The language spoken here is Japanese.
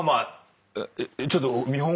ちょっと。